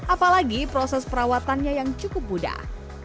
apalagi proses perawatannya yang cukup mudah